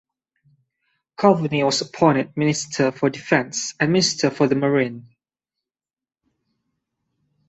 Coveney was appointed Minister for Defence and Minister for the Marine.